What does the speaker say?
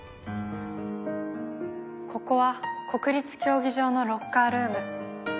ここは国立競技場のロッカールーム。